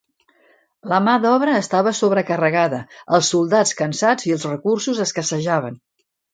La mà d'obra estava sobrecarregada, els soldats cansats i els recursos escassejaven.